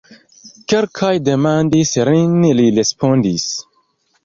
Kelkaj demandis lin, li respondis.